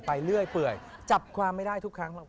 เรื่อยเปื่อยจับความไม่ได้ทุกครั้งหรอก